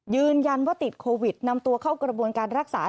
ยืนยันว่าติดโควิดนำตัวเข้ากระบวนการรักษา